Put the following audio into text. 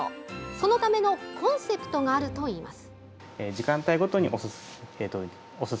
そのためのコンセプトがあるといいます。